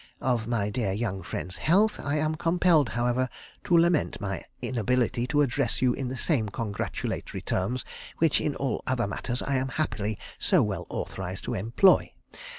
Of my dear young friend's health I am compelled, however, to lament my inability to address you in the same congratulatory terms which in all other matters I am happily so well authorised to employ.